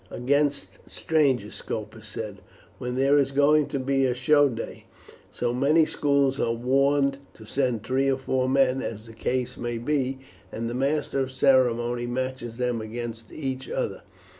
"Against strangers," Scopus said. "When there is going to be a show day, so many schools are warned to send three or four men, as the case may be, and the master of ceremonies matches them against each other.